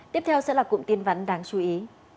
tiếp theo sẽ là cụm tin vắn đáng chú ý